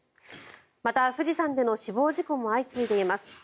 また富士山での死亡事故も相次いでいます。